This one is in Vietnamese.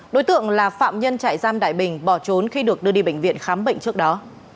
đối tượng là phạm nhân trại giam đại bình bỏ trốn khi được đưa đi bệnh viện khám bệnh trước đó